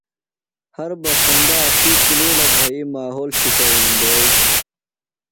ہر بسندہ اسی کِلُوڑہ بھئ ماحول شِشہ ویننڈیو۔